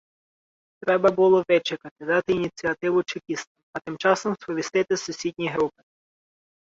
Треба було вичекати, дати ініціативу чекістам, а тим часом сповістити сусідні групи.